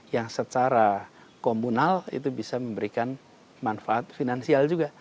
yang secara komunal itu bisa memberikan manfaat finansial juga